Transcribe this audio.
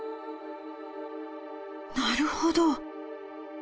『なるほど！』。